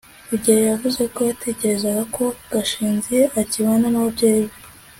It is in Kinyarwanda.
rugeyo yavuze ko yatekerezaga ko gashinzi akibana n'ababyeyi be